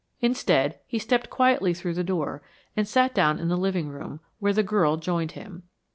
Instead, he stepped quietly through the door and sat down in the living room, where the girl joined him.